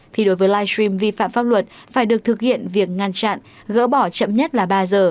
thì đối với livestream vi phạm pháp luật phải được thực hiện việc ngăn chặn gỡ bỏ chậm nhất là ba giờ